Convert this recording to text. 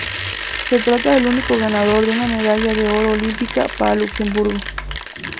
Se trata del único ganador de una medalla de oro olímpica para Luxemburgo.